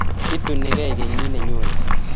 Itunikei kenyit ne nyonei